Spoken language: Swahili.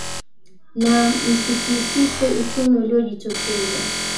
na msikisiko uchumi uliojitokeza